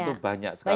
itu banyak sekali